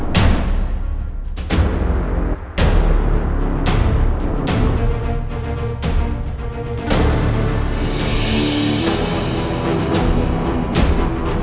terima kasih banyak